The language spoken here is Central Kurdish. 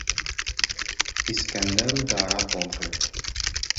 ئیسکەندەر و دارات بۆم کرد،